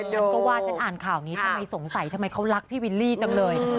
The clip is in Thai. ฉันก็ว่าฉันอ่านข่าวนี้ทำไมสงสัยทำไมเขารักพี่วิลลี่จังเลย